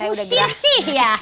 ustis sih ya